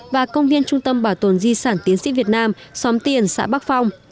và công viên trung tâm bảo tồn di sản tiến sĩ việt nam xóm tiền xã bắc phong